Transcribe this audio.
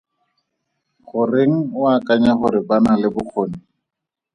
Goreng o akanya gore ba na le bokgoni?